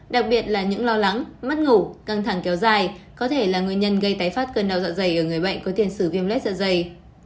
đặc biệt là những lo lắng mắt ngủ căng thẳng kéo dài có thể là nguyên nhân gây tái phát cơn đau dạ dày ở người bệnh có tiền sử viêm lết dạ dày